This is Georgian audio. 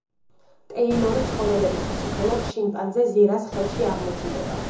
ტეილორი ცხოველების „ფსიქოლოგ“, შიმპანზე ზირას ხელში აღმოჩნდება.